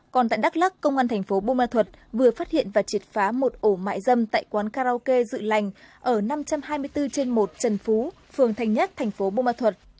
còn tại đắk lắc công an thành phố bù ma thuật vừa phát hiện và triệt phá một ổ mại dâm tại quán karaoke dự lành ở năm trăm hai mươi bốn trên một trần phú phường thành nhất thành phố bù ma thuật